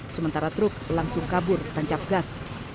sementara truk langsung kabur tancap gas